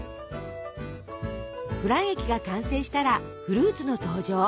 フラン液が完成したらフルーツの登場。